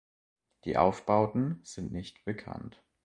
Die Aufbauten sind nicht bekannt.